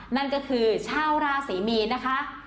นั่นก็คือชาวราศรีมีนนะคะ